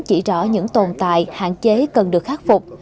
chỉ rõ những tồn tại hạn chế cần được khắc phục